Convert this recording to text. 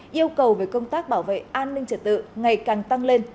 yêu cầu về công tác bảo vệ an ninh trật tự ngày càng tăng lên